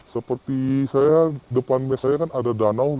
seperti saya depan mes saya kan ada danau